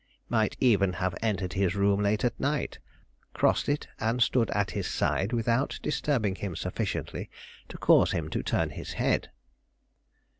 "Might even have entered his room late at night, crossed it and stood at his side, without disturbing him sufficiently to cause him to turn his head?"